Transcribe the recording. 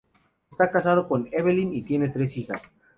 Está casado con Evelyn y tiene tres hijas.